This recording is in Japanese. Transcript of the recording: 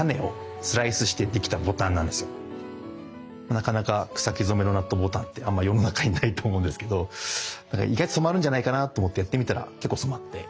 なかなか草木染めのナットボタンってあんま世の中にないと思うんですけど意外と染まるんじゃないかなと思ってやってみたら結構染まって。